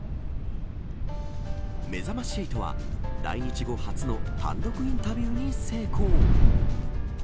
めざまし８は来日後初の単独インタビューに成功。